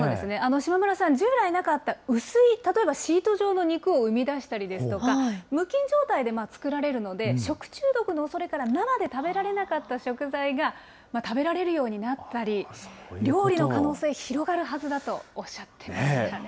島村さん、従来なかった薄い、例えばシート状の肉を生み出したりですとか、無菌状態で作られるので、食中毒のおそれから、生で食べられなかった食材が食べられるようになったり、料理の可能性、広がるはずだとおっしゃってましたね。